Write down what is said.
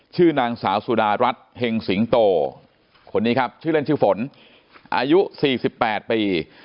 ชื่อนางสาวสุดารัฐเห็งสิงโตคนนี้ครับชื่อเล่นชื่อฝนอายุ๔๘ปี